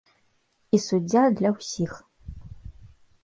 І суддзя для ўсіх.